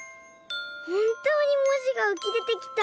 ほんとうにもじがうきでてきた。